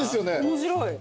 面白い。